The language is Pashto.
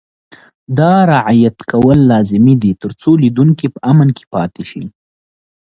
دا رعایت کول لازمي دي ترڅو تولیدوونکي په امن کې پاتې شي.